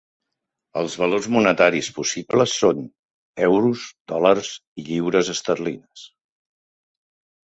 Els valors monetaris possibles són: euros, dòlars i lliures esterlines.